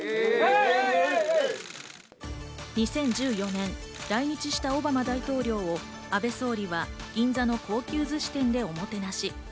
２０１４年、来日したオバマ大統領を、安倍総理は銀座の高級寿司店でおもてなし。